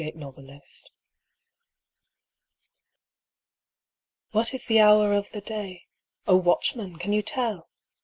THE HOUR What is the hour of the day ? O watchman, can you tell